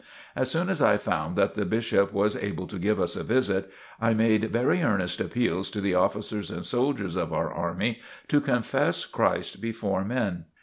As soon as I found that the Bishop was able to give us a visit, I made very earnest appeals to the officers and soldiers of our army to confess Christ before men.